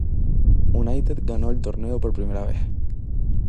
United ganó el torneo por primera vez.